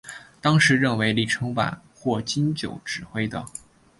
当时认为是李承晚或金九指挥的。